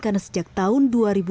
karena sejak tahun dua ribu dua belas